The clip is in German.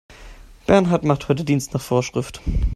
Bernhard macht heute Dienst nach Vorschrift.